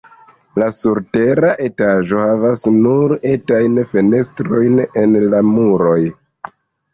La surtera etaĝo havas nur etajn fenestrojn en la muroj.